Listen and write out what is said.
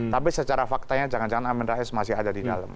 tapi secara faktanya jangan jangan amin rais masih ada di dalam